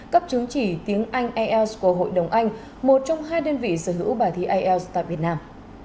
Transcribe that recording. cấp chứng chỉ tiếng anh al của hội đồng anh một trong hai đơn vị sở hữu bài thi ielts tại việt nam